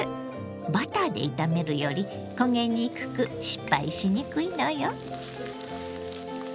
バターで炒めるより焦げにくく失敗しにくいのよ。